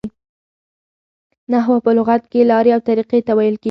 نحوه په لغت کښي لاري او طریقې ته ویل کیږي.